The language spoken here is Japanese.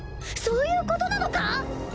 そういうことなのか！？